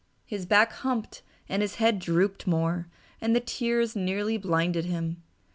His back humped and his head drooped more, and the tears nearly blinded him.